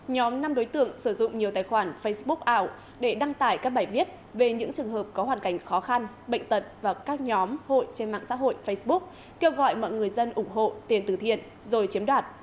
nhóm năm đối tượng sử dụng nhiều tài khoản facebook ảo để đăng tải các bài viết về những trường hợp có hoàn cảnh khó khăn bệnh tật và các nhóm hội trên mạng xã hội facebook kêu gọi mọi người dân ủng hộ tiền từ thiện rồi chiếm đoạt